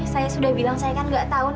saya sudah bilang saya kan gak tau